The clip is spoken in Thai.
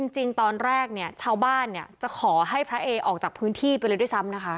จริงตอนแรกเนี่ยชาวบ้านเนี่ยจะขอให้พระเอออกจากพื้นที่ไปเลยด้วยซ้ำนะคะ